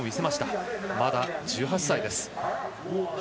まだ１８歳です。